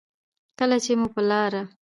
کله چې مو په لاره